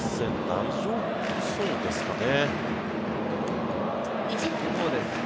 大丈夫そうですかね。